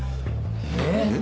・えっ？